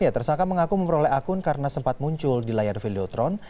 tersangka mengaku memperoleh akun karena sempat muncul di layar videotron